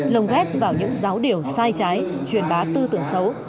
lồng ghép vào những giáo điều sai trái truyền bá tư tưởng xấu